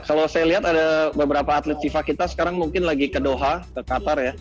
kalau saya lihat ada beberapa atlet fifa kita sekarang mungkin lagi ke doha ke qatar ya